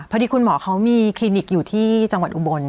พอดีคุณหมอเขามีคลินิกอยู่ที่จังหวัดอุบล